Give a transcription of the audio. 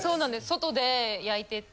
外で焼いてて。